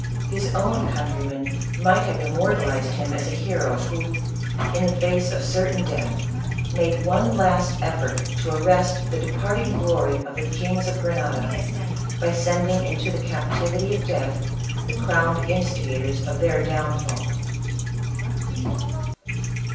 his own countrymen might have immortalized him as a hero who, in the face of certain death, made one last effort to arrest the departing glory of the kings of Grenada, by sending into the captivity of death the crowned instigators of their downfall.